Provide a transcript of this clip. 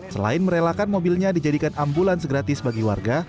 selain merelakan mobilnya dijadikan ambulans gratis bagi warga